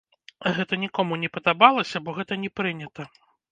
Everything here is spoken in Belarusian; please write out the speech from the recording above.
Гэта нікому не падабалася, бо гэта не прынята.